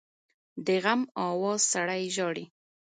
د غم آواز سړی ژاړي